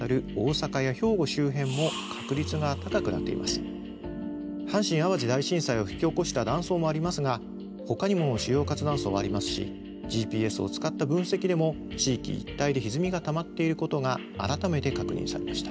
阪神・淡路大震災を引き起こした断層もありますがほかにも主要活断層はありますしＧＰＳを使った分析でも地域一帯でひずみがたまっていることが改めて確認されました。